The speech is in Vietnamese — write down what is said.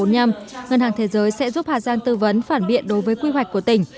ngân hàng thế giới sẽ giúp hà giang tư vấn phản biện đối với quy hoạch của tỉnh